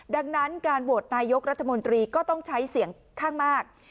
ดังนั้นการโหวตนายกรัฐมนตรีก็ต้องใช้เสียงข้างมาก